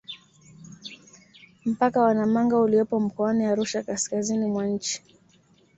Mpaka wa Namanga uliopo mkoani Arusha kaskazini mwa nchi